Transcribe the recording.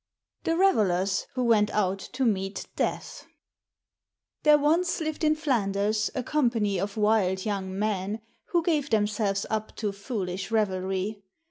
THE REVELERS WHO WENT OUT TO MEET DEATH THERE once lived in Flanders a company of wild young men who gave themselves up to foolish revelry.